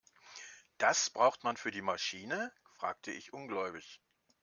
Das braucht man für die Maschine?, fragte ich ungläubig.